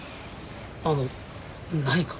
あの何か？